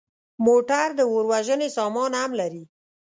موټر د اور وژنې سامان هم لري.